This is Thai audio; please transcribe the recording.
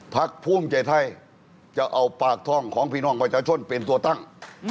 พักภูมิใจไทยจะเอาปากท่องของพี่น้องประชาชนเป็นตัวตั้ง